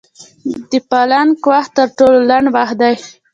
د پلانک وخت تر ټولو لنډ وخت دی.